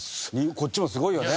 こっちもすごいよね。